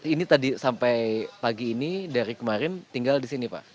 ini tadi sampai pagi ini dari kemarin tinggal di sini pak